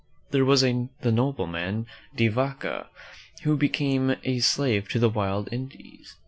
There was the nobleman, De \''aca, who became a slave to the wild Indians.